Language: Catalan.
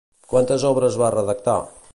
Quantes obres va redactar?